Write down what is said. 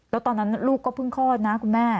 แล้วตอนนั้นลูกก็เพิ่งคลอดนะคุณแม่